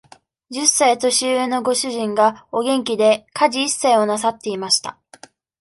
十歳年上のご主人が、お元気で、家事一切をなさっていました。